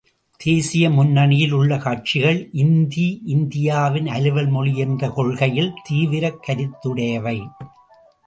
தேசிய முன்னணியில் உள்ள கட்சிகள், இந்தி இந்தியாவின் அலுவல் மொழி என்ற கொள்கையில் தீவிரக் கருத்துடையவை.